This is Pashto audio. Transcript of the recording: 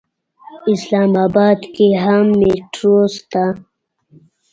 اسلام اباد کې هم مېټرو شته.